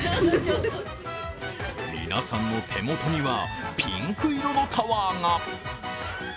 皆さんの手元には、ピンク色のタワーが。